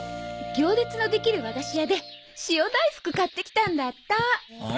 行列のできる和菓子屋で塩大福買ってきたんだった。